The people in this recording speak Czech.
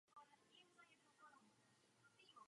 Nejvyšších průtoků dosahuje řeka na jaře.